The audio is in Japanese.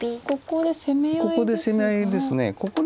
ここで攻め合いですが。